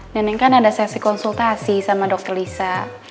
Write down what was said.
nenek kan ada sesi konsultasi sama dokter lisa